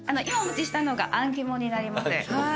今お持ちしたのがあん肝になります。